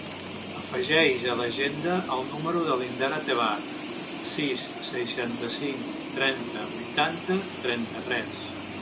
Afegeix a l'agenda el número de l'Indara Tebar: sis, seixanta-cinc, trenta, vuitanta, trenta-tres.